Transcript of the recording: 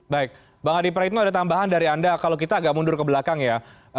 baik bang adi praitno ada tambahan dari anda kalau kita agak mundur ke belakang ya